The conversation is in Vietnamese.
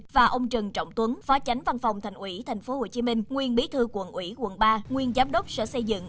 và ông trần trọng tuấn phó chánh văn phòng thành ủy tp hcm nguyên bí thư quận ủy quận ba nguyên giám đốc sở xây dựng